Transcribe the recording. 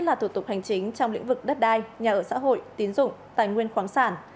là thủ tục hành chính trong lĩnh vực đất đai nhà ở xã hội tín dụng tài nguyên khoáng sản